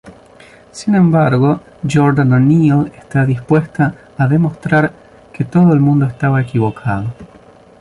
Sin embargo, Jordan O´Neil está dispuesta a demostrar que todo el mundo estaba equivocado.